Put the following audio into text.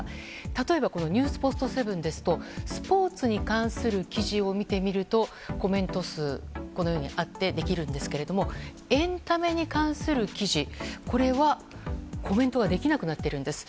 例えばＮＥＷＳポストセブンですとスポーツに関する記事を見てみるとコメント数がこのようにあってコメントできるんですけどもエンタメに関する記事これはコメントができなくなっているんです。